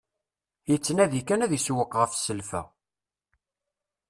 Yettnadi kan ad isewweq ɣef selfa.